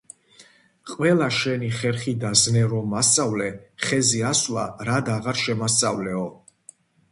ყველა შენი ხერხი და ზნე რომ მასწავლე, ხეზე ასვლა რად აღარ შემასწავლეო